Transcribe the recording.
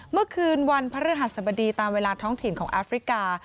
เมื่อคืนวันพระฤหัสบดีตามเวลาท้องถิ่นของแอฟริกา